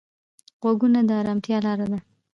غوږونه د ارامتیا لاره ده